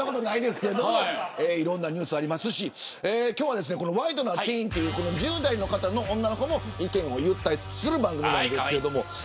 いろんなニュースありますし今日はワイドナティーンという１０代の方の女の子も意見を言ったりする番組なんです。